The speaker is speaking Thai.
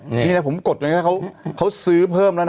นี่นะผมกดเลยนะเขาซื้อเพิ่มแล้วนะ